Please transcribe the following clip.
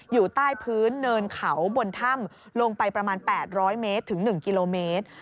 อยู่ใต้พื้นเนินเขาบนถ้ำลงไปประมาณ๘๐๐เมตรถึง๑กิโลเมตร